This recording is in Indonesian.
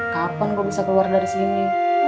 kapan gue bisa keluar dari sini